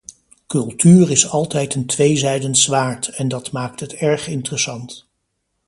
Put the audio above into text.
Cultuur is altijd een tweesnijdend zwaard, en dat maakt het erg interessant.